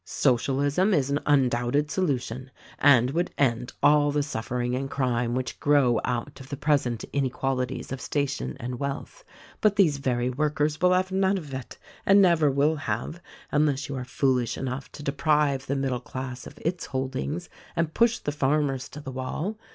Socialism is an undoubted solution, and would end all the suffering and crime which grow out of the present inequalities of station and wealth — but these very workers will have none of it — and never will have, unless you are foolish enough to deprive the middle class of its holdings and push the farmers to the wall.